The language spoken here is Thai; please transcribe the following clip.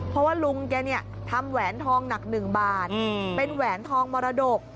เพราะว่าลุงแกเนี่ยทำแหวนทองหนัก๑บาทเป็นแหวนทองมรดก